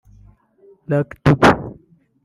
Lucky Dube